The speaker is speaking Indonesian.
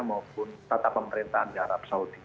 maupun tata pemerintahan di arab saudi